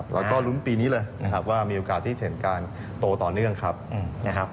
เราก็รุ้นปีนี้เลยว่ามีโอกาสที่เห็นการโตต่อเนื่องครับ